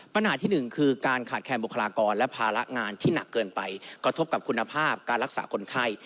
ปัญหาที่หนึ่งคือการขาดแคนบุคลากรและภาระงานที่หนักเกินไปกระทบกับคุณภาพการรักษาคนไข้